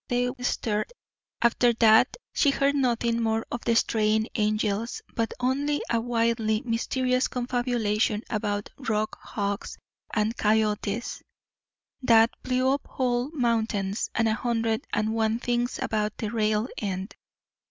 They stared. After that she heard nothing more of the Straying Angels, but only a wildly mysterious confabulation about "rock hogs," and "coyotes" that blew up whole mountains, and a hundred and one things about the "rail end."